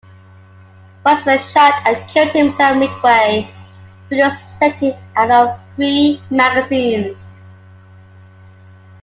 Ratzmann shot and killed himself midway through the second out of three magazines.